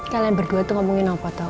kalian berdua tuh ngomongin apa tau